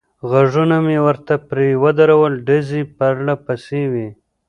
غوږونه مې ورته پرې ودرول، ډزې پرله پسې وې.